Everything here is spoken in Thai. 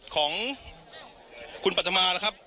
ของคุณปัตมานะครับ